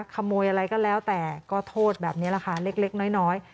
ขโมยอะไรก็แล้วแต่ก็โทษแบบนี้แหละค่ะเล็กน้อย